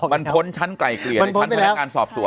มันพ้นชั้นไกลเกลี่ยในชั้นพนักงานสอบสวน